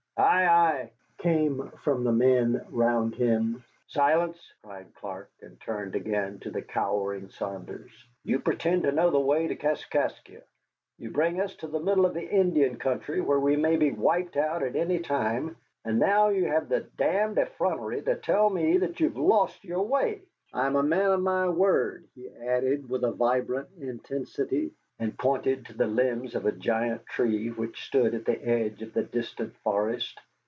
"Ay, ay," came from the men round him. "Silence!" cried Clark, and turned again to the cowering Saunders. "You pretend to know the way to Kaskaskia, you bring us to the middle of the Indian country where we may be wiped out at any time, and now you have the damned effrontery to tell me that you have lost your way. I am a man of my word," he added with a vibrant intensity, and pointed to the limbs of a giant tree which stood at the edge of the distant forest.